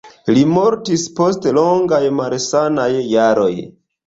Li mortis post longaj malsanaj jaroj.